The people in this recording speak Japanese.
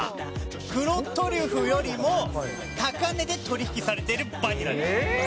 黒トリュフよりも、高値で取り引きされているバニラです。